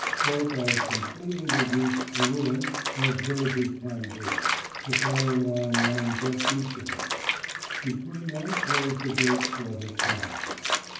Both are as completely reduced to ruins as villages can be, the firing line running just east of them. Between them flows the great sluggish canal.